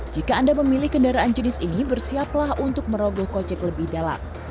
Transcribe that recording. jika anda memilih kendaraan jenis ini bersiaplah untuk merogoh kocek lebih dalam